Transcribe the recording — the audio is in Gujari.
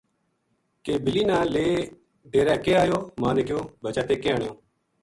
کے بِلی نا لے ڈیرے کے اَیو ماں نے کہیو "بچا تیں کے آنیو